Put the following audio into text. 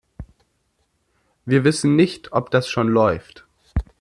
Wir wissen nicht, ob das schon läuft.